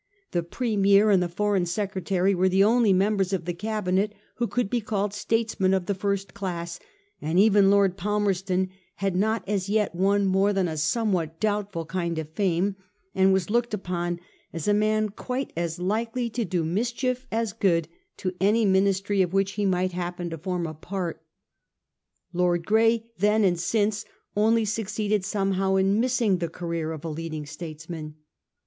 The Premier and the Foreign Secretary were the only members of the Cabinet who could be called states men of the first class ; and even Lord Palmerston had not as yet won more than a somewhat doubtful kind of fame, and was looked upon as a man quite as likely to do mischief as good to any Ministry of which he might happen to form a part. Lord Grey then and since only succeeded somehow in missing the career of a leading statesman.